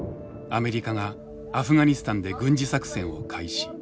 アメリカがアフガニスタンで軍事作戦を開始。